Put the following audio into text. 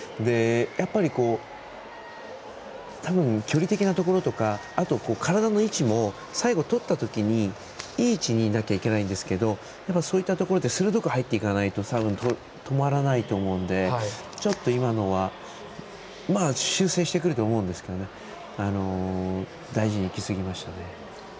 やっぱり、距離的なところとか体の位置も最後とった時にいい位置にいなきゃいけないんですがやっぱり、そういうところで鋭く入っていかないと止まらないと思うので今のは、修正してくると思いますが大事にいきすぎましたね。